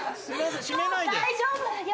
もう大丈夫よ！